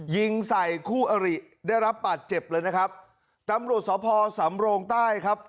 ยิงใส่คู่อริได้รับบาดเจ็บเลยนะครับตำรวจสพสำโรงใต้ครับ